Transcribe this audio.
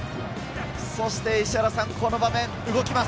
石原さん、この場面動きます。